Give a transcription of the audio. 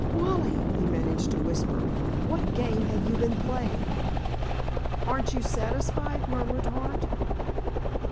"Wally," he managed to whisper, "what game have you been playing?" "Aren't you satisfied?" murmured Hart.